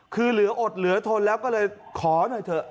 คือเหลืออดเหลือทนแล้วก็เลยขอหน่อยเถอะ